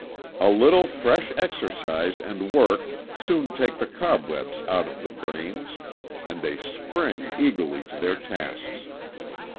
A little fresh exercise and work soon take the cobwebs out of their brains, and they spring eagerly to their tasks.